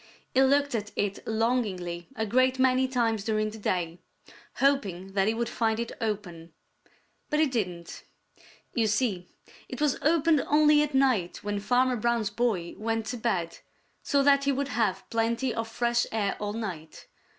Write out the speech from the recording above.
He looked at it longingly a great many times during the day, hoping that he would find it open. But he didn't. You see, it was opened only at night when Farmer Brown's boy went to bed, so that he would have plenty of fresh air all night.